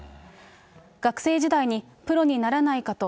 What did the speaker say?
学生時代に、プロにならないかと？